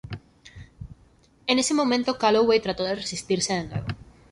En ese momento, Calloway trató de resistirse de nuevo.